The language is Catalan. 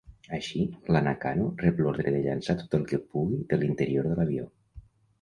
Així, la Nakano rep l'ordre de llançar tot el que pugui de l'interior de l'avió.